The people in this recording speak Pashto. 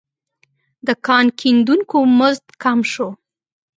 د کان کیندونکو مزد کم شو.